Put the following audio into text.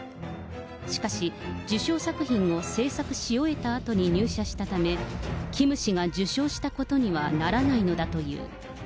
しかし、受賞作品を制作し終えたあとに入社したため、キム氏が受賞したことにはならないのだという。